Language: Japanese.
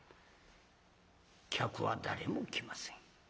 客は誰も来ません。